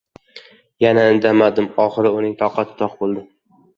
Yana indamadim. Oxiri uning toqati toq bo‘ldi.